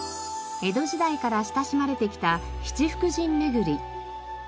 江戸時代から親しまれてきた七福神巡り。